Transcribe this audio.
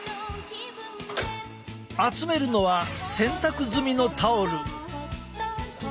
集めるのは洗濯済みのタオル。